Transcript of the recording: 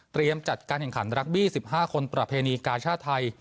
เตรียมจัดการแข่งขันรักบี๑๕คนประเพณีกาชาไทย